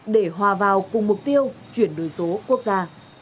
để hòa vào cùng mục tiêu chuyển đổi số quốc gia